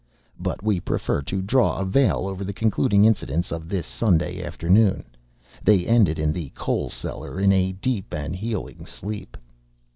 But we prefer to draw a veil over the concluding incidents of this Sunday afternoon. They ended in the coal cellar, in a deep and healing sleep.